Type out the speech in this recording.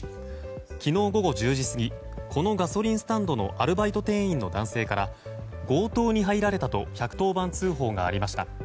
昨日午後１０時過ぎこのガソリンスタンドのアルバイト店員の男性から強盗に入られたと１１０番通報がありました。